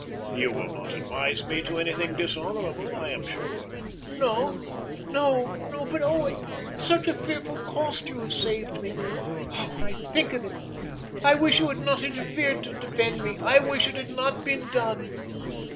"You will not advise me to anything dishonorable, I am sure." "No no but oh! at such a fearful cost you have saved me. Oh! when I think of it, I wish you had not interfered to defend me. I wish it had not been done!"